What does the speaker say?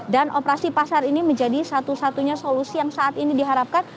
dan operasi pasar ini menjadi satu satunya solusi yang saat ini diharapkan